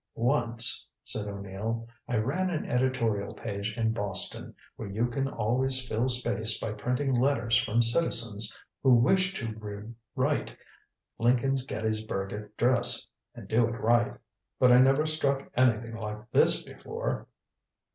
"Once," said O'Neill, "I ran an editorial page in Boston, where you can always fill space by printing letters from citizens who wish to rewrite Lincoln's Gettysburg Address, and do it right. But I never struck anything like this before."